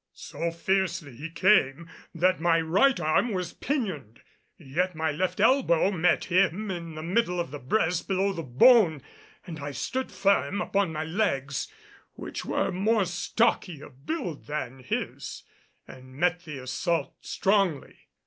So fiercely he came that my right arm was pinioned; yet my left elbow met him in the middle of the breast below the bone, and I stood firm upon my legs, which were more stocky of build than his, and met the assault strongly.